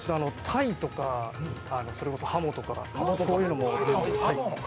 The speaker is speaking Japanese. たいとか、それこそ、はもとか、そういうのも。